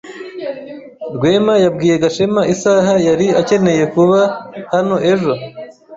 Rwema yabwiye Gashema isaha yari akeneye kuba hano ejo?